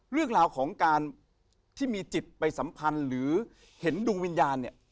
เรื่องราวของการที่มีจิตไปสัมพันธ์หรือเห็นดวงวิญญาณเนี่ย